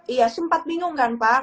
iya sempat bingung kan pak